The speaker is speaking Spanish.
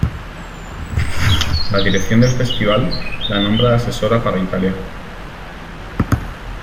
La dirección del Festival la nombra asesora para Italia.